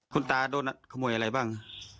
คุณตาโดนขโมยอะไรบ้าง